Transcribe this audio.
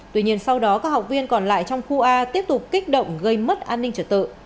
tuy nhiên sau đó các học viên còn lại trong khu a tiếp tục kích động gây mất an ninh trật tự